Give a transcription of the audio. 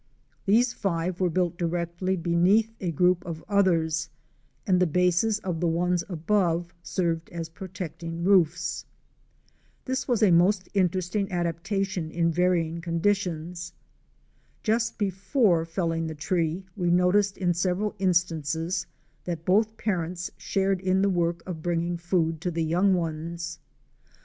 These five were built directly beneath a group of others, and the bases of the ones above served as protecting roofs. This was a most interesting adaptation to varying conditions. Just before felling the tree we noticed in several instances that both parents shared in the work of bringing food to the young ones.